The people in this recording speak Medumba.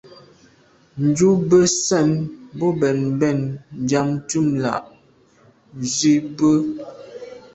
Njù be sène bo bèn mbèn njam ntùm la’ nzi bwe.